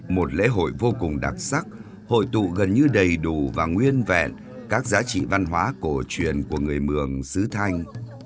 một lễ hội vô cùng đặc sắc hội tụ gần như đầy đủ và nguyên vẹn các giá trị văn hóa cổ truyền của người mường sứ thanh